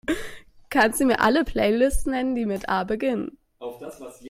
Kannst Du mir alle Playlists nennen, die mit A beginnen?